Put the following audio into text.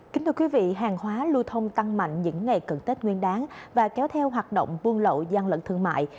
kính thưa quý vị hàng hóa lưu thông tăng mạnh những ngày cận tết nguyên đáng và kéo theo hoạt động buôn lậu gian lận thương mại